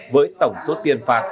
với tổng số tiền phạt